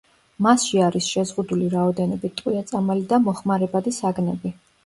მასში არის შეზღუდული რაოდენობით ტყვია-წამალი და მოხმარებადი საგნები.